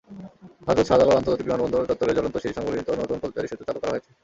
হজরত শাহজালাল আন্তর্জাতিক বিমানবন্দর চত্বরে চলন্ত সিঁড়ি-সংবলিত নতুন পদচারী-সেতু চালু করা হয়েছে।